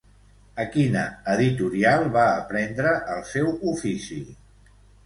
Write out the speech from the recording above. A quina editorial va aprendre el seu ofici?